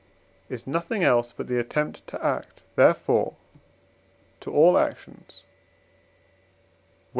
is nothing else but the attempt to act; therefore, to all actions, &c.